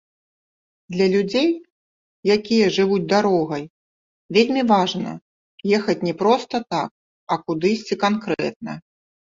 Для людзей, якія жывуць дарогай, вельмі важна ехаць не проста так, а кудысьці канкрэтна.